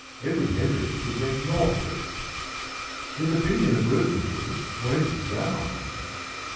Edward Henry could make naught of it. His opinion of Wilkins's went down.